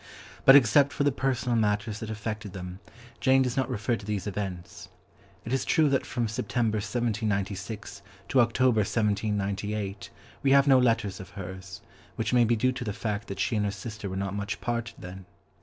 But except for the personal matters that affected them, Jane does not refer to these events. It is true that from September 1796 to October 1798 we have no letters of hers, which may be due to the fact that she and her sister were not much parted then.